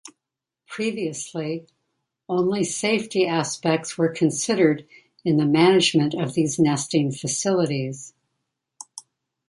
Previously, only safety aspects were considered in the management of these nesting facilities.